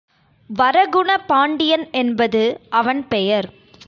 வரகுண பாண்டியன் என்பது அவன் பெயர்.